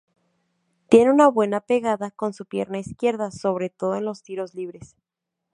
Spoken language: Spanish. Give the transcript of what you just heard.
Tiene una buena pegada con su pierna izquierda, sobre todo en los tiros libres.